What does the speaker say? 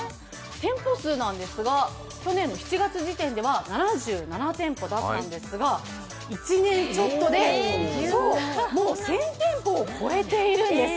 店舗数なんですが去年７月時点では７７店舗だったんですが１年ちょっとでもう１０００店舗を超えているんです。